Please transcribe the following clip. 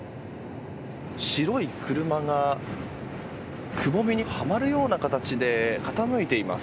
白い車がくぼみにはまるような形で傾いています。